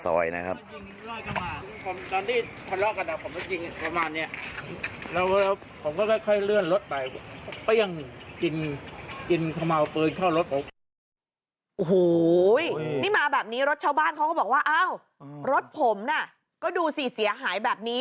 โอ้โหนี่มาแบบนี้รถชาวบ้านเขาก็บอกว่าอ้าวรถผมน่ะก็ดูสิเสียหายแบบนี้